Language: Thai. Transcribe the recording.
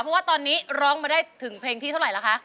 เพราะว่าตอนนี้ร้องมาได้ถึงเพลงที่เท่าไหร่ล่ะคะ